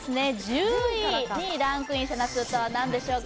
１０位にランクインした夏うたは何でしょうか？